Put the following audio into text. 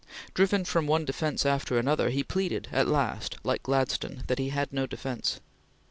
Driven from one defence after another, he pleaded at last, like Gladstone, that he had no defence.